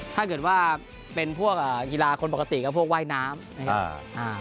ถ้าเกิดว่าเป็นพวกกีฬาคนปกติก็พวกว่ายน้ำนะครับ